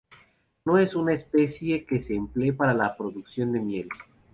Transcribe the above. No es una especie que se emplee para la producción de miel.